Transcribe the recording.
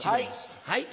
はい。